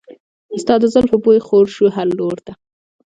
د ستا د زلفو بوی خور شو هر لور ته.